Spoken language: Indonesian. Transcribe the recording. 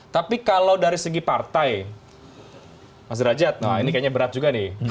tapi kalau dari segi partai mas derajat nah ini kayaknya berat juga nih